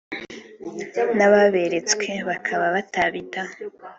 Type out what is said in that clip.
n’ababeretswe bakaba batabitaho